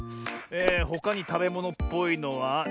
ほかにたべものっぽいのはえと。